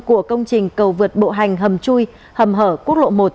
của công trình cầu vượt bộ hành hầm chui hầm hở quốc lộ một